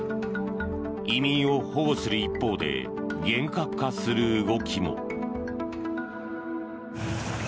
移民を保護する一方で厳格化する動きも。